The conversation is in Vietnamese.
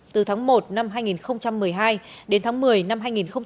từ tháng một năm hai nghìn một mươi hai đến tháng một mươi năm hai nghìn hai mươi hai